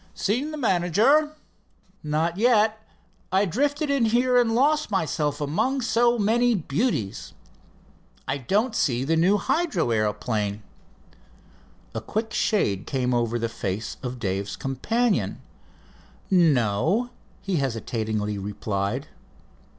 "Seen the manager?" "Not yet. I drifted in here and lost myself among so many beauties. I don't see the new hydro aeroplane." A quick shade came over the face of Dave's companion. "No," he hesitatingly replied.